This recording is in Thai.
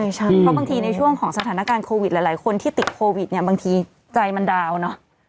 เพราะบางทีในช่วงของสถานการณ์โควิดหลายคนที่ติดโควิดเนี่ยบางทีใจมันดาวเนอะ